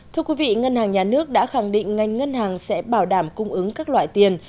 thưa quý vị ngân hàng nhà nước đã khẳng định ngành ngân hàng sẽ bảo đảm cung ứng các loại tiền